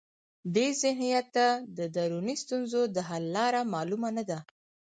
دې ذهنیت ته د دروني ستونزو د حل لاره معلومه نه ده.